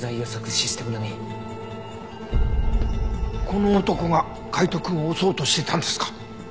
この男が海斗くんを襲おうとしてたんですか？